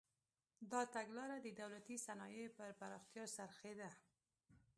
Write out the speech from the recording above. دا تګلاره د دولتي صنایعو پر پراختیا راڅرخېده.